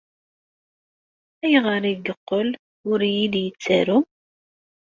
Ayɣer ay yeqqel ur iyi-d-yettaru?